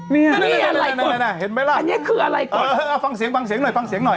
นี่แหละนี่แหละฟังเสียงหน่อยฟังเสียงหน่อย